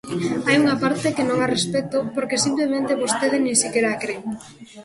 Hai unha parte que non a respecto porque simplemente vostede nin sequera a cre.